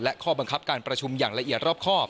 และข้อบังคับการประชุมอย่างละเอียดรอบครอบ